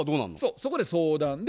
そこで相談で。